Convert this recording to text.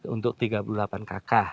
untuk tiga puluh delapan kakak